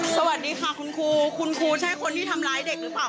สวัสดีค่ะคุณครู